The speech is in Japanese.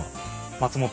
松本。